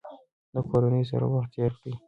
د کورنۍ سره وخت تیر کړئ.